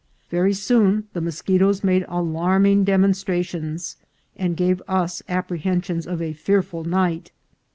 Very soon the moschetoes made alarming demonstrations, and gave us apprehensions of a fearful night.